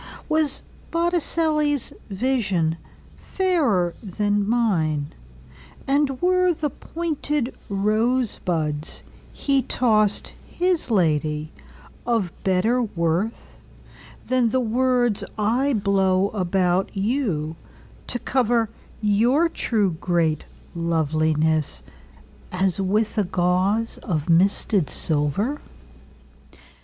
Was Botticelli's visionFairer than mine; And were the pointed rosebudsHe tossed his ladyOf better worthThan the words I blow about youTo cover your too great lovelinessAs with a gauzeOf misted silver?